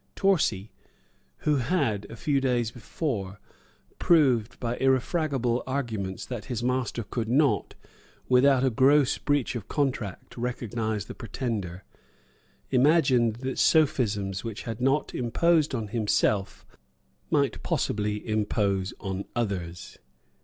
Torcy, who had, a few days before, proved by irrefragable arguments that his master could not, without a gross breach of contract, recognise the Pretender, imagined that sophisms which had not imposed on himself might possibly impose on others.